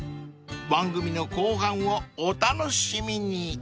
［番組の後半をお楽しみに］